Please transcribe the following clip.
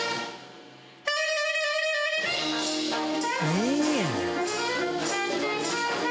いいね！